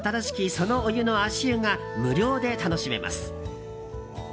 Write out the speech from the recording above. そのお湯の足湯が無料で楽しめます。